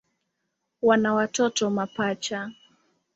Wana watoto mapacha.